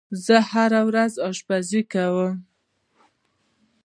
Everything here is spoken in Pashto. زه هره ورځ آشپزی کوم.